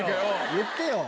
言ってよ。